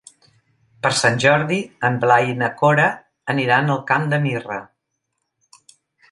Per Sant Jordi en Blai i na Cora aniran al Camp de Mirra.